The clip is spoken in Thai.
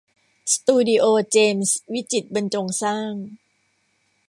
สตูดิโอเจมส์วิจิตรบรรจงสร้าง